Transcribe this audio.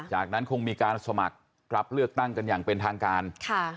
จากนั้นคงมีการสมัครรับเลือกตั้งกันอย่างเป็นทางการค่ะ